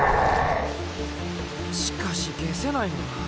しかし解せないな。